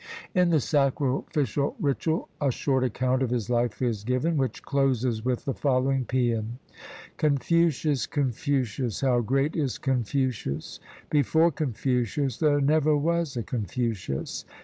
In the Sacrificial Ritual a short account of his life is given, which closes with the following psean: — Confucius! Confucius! How great is Confucius! Before Confucius there never was a Confucius!